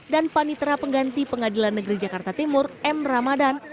dan panitera pengganti pengadilan negeri jakarta timur m ramadhan